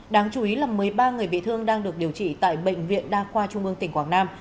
đáng chú ý là một mươi ba người bị thương đang được điều trị tại bệnh viện đa khoa trung ương tỉnh quảng nam